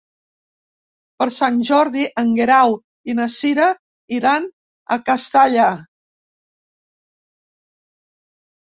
Per Sant Jordi en Guerau i na Cira iran a Castalla.